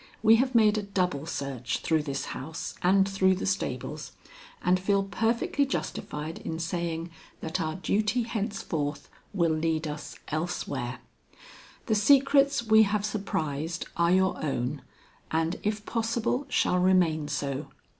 We have made a double search through this house and through the stables, and feel perfectly justified in saying that our duty henceforth will lead us elsewhere. The secrets we have surprised are your own, and if possible shall remain so.